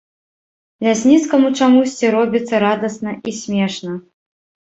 Лясніцкаму чамусьці робіцца радасна і смешна.